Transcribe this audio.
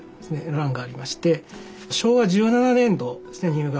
欄がありまして昭和１７年度ですね入学。